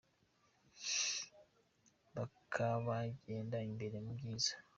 Bakabagenda imbere mu byiza